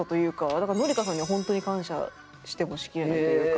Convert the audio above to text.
だから紀香さんには本当に感謝してもしきれないというか。